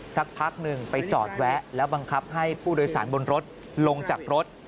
สักพักหนึ่งไปจอดแวะแล้วบังคับให้ผู้โดยสารบนรถลงจากรถ